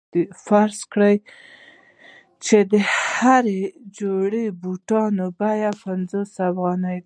فرض کړئ چې د هرې جوړې بوټانو بیه پنځوس افغانۍ ده